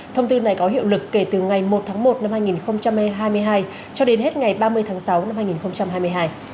thông tư này có hiệu lực kể từ ngày một tháng một năm hai nghìn hai mươi hai cho đến hết ngày ba mươi tháng sáu năm hai nghìn hai mươi hai